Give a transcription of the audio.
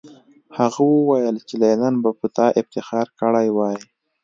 هغه وویل چې لینن به په تا افتخار کړی وای